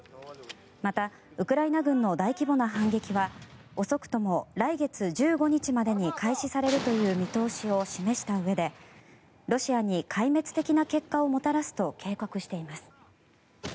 また、ウクライナ軍の大規模な反撃は遅くとも来月１５日までに開始されるという見通しを示したうえでロシアに壊滅的な結果をもたらすと警告しています。